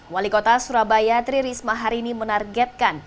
wali kota surabaya tri risma hari ini menargetkan